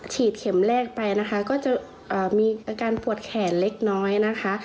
เข็มแรกไปนะคะก็จะมีอาการปวดแขนเล็กน้อยนะคะ